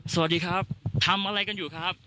สวัสดีครับทำอะไรกันอยู่ครับ